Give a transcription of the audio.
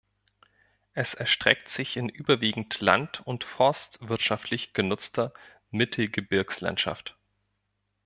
Es erstreckt sich in überwiegend land- und forstwirtschaftlich genutzter Mittelgebirgslandschaft.